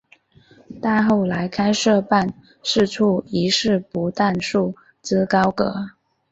但后来开设办事处一事不但束之高阁。